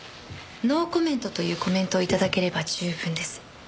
ノーコメントというコメントを頂ければ十分です。